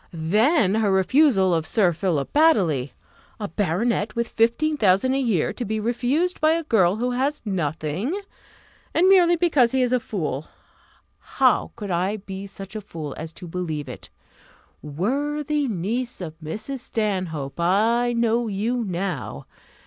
"Then her refusal of Sir Philip Baddely! a baronet with fifteen thousand a year to be refused by a girl who has nothing, and merely because he is a fool! How could I be such a fool as to believe it? Worthy niece of Mrs. Stanhope, I know you now!